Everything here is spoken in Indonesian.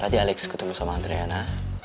tadi alex ketemu sama andriana